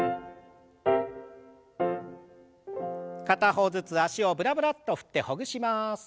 片方ずつ脚をブラブラッと振ってほぐします。